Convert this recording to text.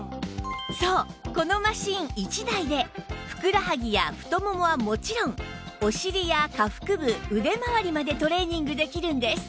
そうこのマシン１台でふくらはぎや太ももはもちろんお尻や下腹部腕周りまでトレーニングできるんです